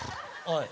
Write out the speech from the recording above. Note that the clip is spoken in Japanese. はい？